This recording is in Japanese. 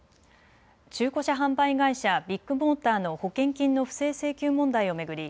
中古車販売会社、ビッグモーターの保険金の不正請求問題を巡り